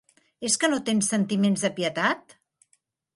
És que no tens sentiments de pietat?